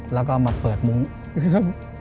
แล้วก็มาเปิดมุ้ง